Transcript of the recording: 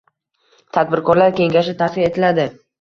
Tadbirkorlar kengashi tashkil etiladi.